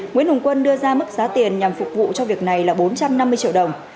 nguyễn hồng quân đưa ra mức giá tiền nhằm phục vụ cho việc này là bốn trăm năm mươi triệu đồng